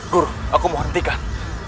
guru aku mau hentikan